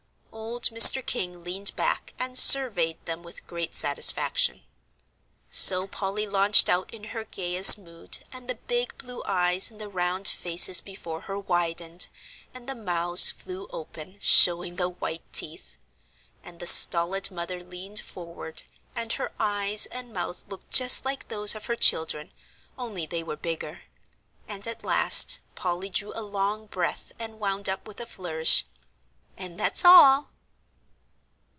Old Mr. King leaned back and surveyed them with great satisfaction. So Polly launched out in her gayest mood, and the big blue eyes in the round faces before her widened, and the mouths flew open, showing the white teeth; and the stolid mother leaned forward, and her eyes and mouth looked just like those of her children, only they were bigger; and at last Polly drew a long breath and wound up with a flourish, "And that's all."